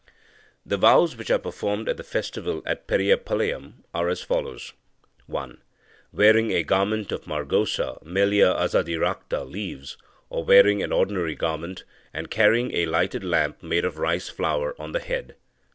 The vows, which are performed at the festival at Periyapalayam, are as follows: (1) Wearing a garment of margosa (Melia Azadirachta) leaves, or wearing an ordinary garment, and carrying a lighted lamp made of rice flour on the head.